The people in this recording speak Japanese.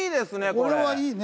これはいいね。